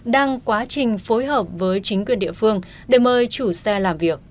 đang quá trình phối hợp với chính quyền địa phương để mời chủ xe làm việc